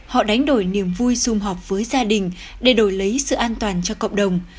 họ đánh đổi niềm vui xung họp với gia đình để đổi lấy sự an toàn cho cộng đồng